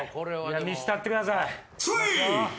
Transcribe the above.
見せたってください！